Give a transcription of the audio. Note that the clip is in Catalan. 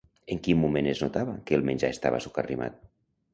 En quin moment es notava que el menjar estava socarrimat?